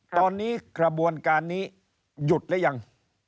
ตอนนี้ขบวนการนี้หยุดแล้วยัง